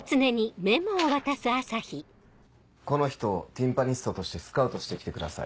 この人をティンパニストとしてスカウトしてきてください。